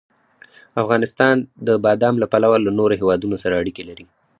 افغانستان د بادام له پلوه له نورو هېوادونو سره اړیکې لري.